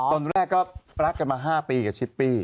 ตอนแรกก็รักกันมา๕ปีกับชิปปี้